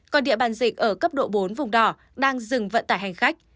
còn địa bàn dịch ở cấp độ bốn vùng đỏ đang dừng vận tải hành khách